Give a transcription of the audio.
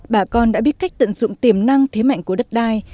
bà con đã biết cách tận dụng tiềm năng thế mạnh của đất đai